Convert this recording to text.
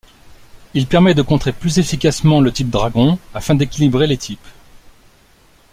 Il permet de contrer plus efficacement le type Dragon afin d'équilibrer les types.